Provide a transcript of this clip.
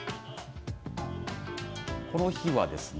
この日はですね